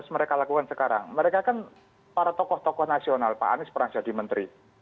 mereka kan para tokoh tokoh nasional pak anies pernah jadi menteri